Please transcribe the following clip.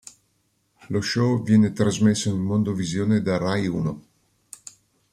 Lo show viene trasmesso in mondovisione da Rai Uno.